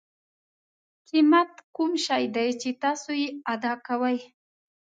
قیمت کوم شی دی چې تاسو یې ادا کوئ.